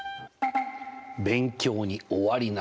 勉強に終わりなし！